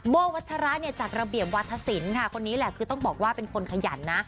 วัชระเนี่ยจากระเบียบวัฒนศิลป์ค่ะคนนี้แหละคือต้องบอกว่าเป็นคนขยันนะ